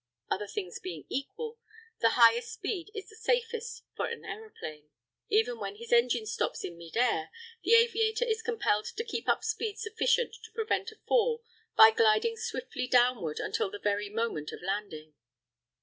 Other things being equal, the highest speed is the safest for an aeroplane. Even when his engine stops in mid air, the aviator is compelled to keep up speed sufficient to prevent a fall by gliding swiftly downward until the very moment of landing.